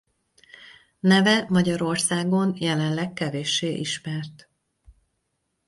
Neve Magyarországon jelenleg kevéssé ismert.